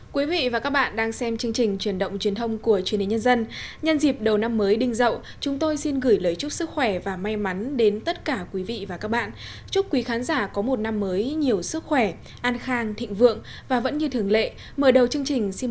các bạn hãy đăng ký kênh để ủng hộ kênh của chúng mình nhé